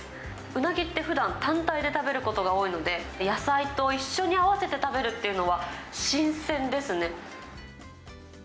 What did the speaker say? うなぎってふだん、単体で食べることが多いので、野菜と一緒に合わせて食べるっていうのは、新鮮ですね。